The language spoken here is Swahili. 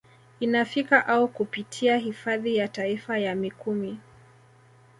Inafika au kupitia hifadhi ya taifa ya Mikumi